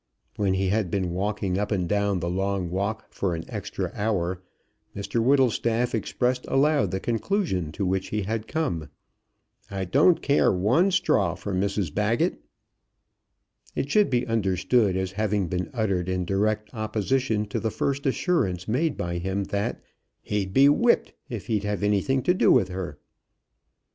When he had been walking up and down the long walk for an extra hour, Mr Whittlestaff expressed aloud the conclusion to which he had come. "I don't care one straw for Mrs Baggett." It should be understood as having been uttered in direct opposition to the first assurance made by him, that "He'd be whipped if he'd have anything to do with her."